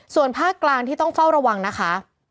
ส่วนภาคกลางที่ต้องเฝ้าระวังนะคะ